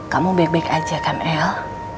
kamu baik baik aja kan el